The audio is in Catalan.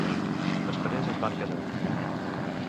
Després, es van casar.